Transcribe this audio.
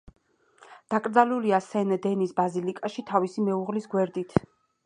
დაკრძალულია სენ დენის ბაზილიკაში, თავისი მეუღლის გვერდით.